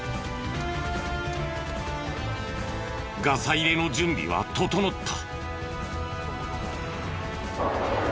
ガサ入れの準備は整った。